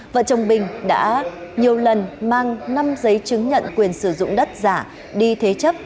vợ chồng bình đã nhiều lần mang năm giấy chứng nhận quyền sử dụng đất giả đi thế chấp